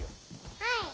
はい。